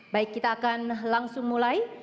baik kita akan langsung mulai